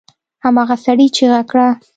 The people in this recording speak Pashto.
هماغه سړي چيغه کړه!